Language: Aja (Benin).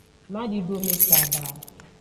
Madidome saba.